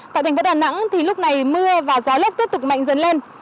tại tp đà nẵng thì lúc này mưa và gió lấp tiếp tục mạnh dần lên